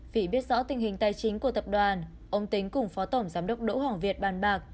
vì biết rõ tình hình tài chính của tập đoàn ông tính cùng phó tổng giám đốc đỗ hoàng việt bàn bạc